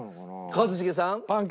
一茂さん。